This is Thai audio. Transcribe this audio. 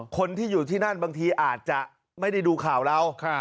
คนที่อยู่ที่นั่นบางทีอาจจะไม่ได้ดูข่าวเรา